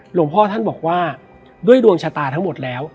หลวงพ่อท่านบอกว่าด้วยดวงชะตาทั้งหมดแล้ว